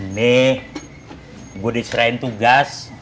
nih gue diserahin tugas